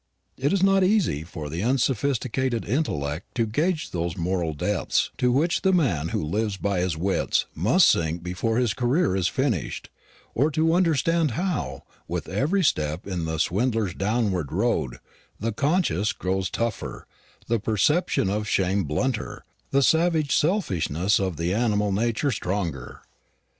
It is not easy for the unsophisticated intellect to gauge those moral depths to which the man who lives by his wits must sink before his career is finished, or to understand how, with every step in the swindler's downward road, the conscience grows tougher, the perception of shame blunter, the savage selfishness of the animal nature stronger.